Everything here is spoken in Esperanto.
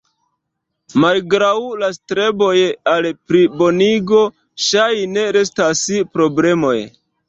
Malgraŭ la streboj al plibonigo, ŝajne restas problemoj.